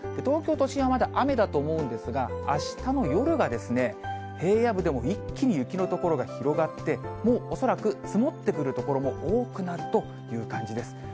東京都心はまだ雨だと思うんですが、あしたの夜が平野部でも一気に雪の所が広がって、もう恐らく積もってくる所も多くなるという感じです。